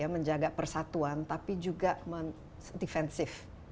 menjaga persatuan tapi juga mendefensif